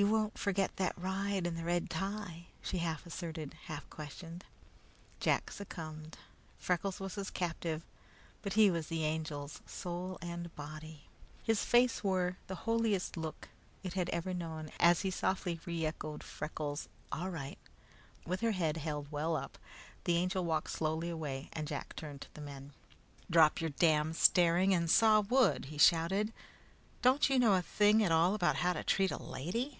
"You won't forget that ride and the red tie," she half asserted, half questioned. Jack succumbed. Freckles was his captive, but he was the Angel's, soul and body. His face wore the holiest look it ever had known as he softly re echoed Freckles' "All right." With her head held well up, the Angel walked slowly away, and Jack turned to the men. "Drop your damned staring and saw wood," he shouted. "Don't you know anything at all about how to treat a lady?"